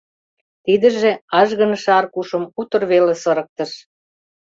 Тидыже ажгыныше Аркушым утыр веле сырыктыш.